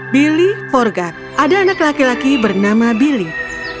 billy forgard ada anak laki laki bernama billy